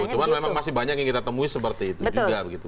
cuma memang masih banyak yang kita temui seperti itu